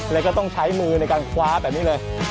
แล้วก็ต้องใช้มือในการคว้าแบบนี้เลย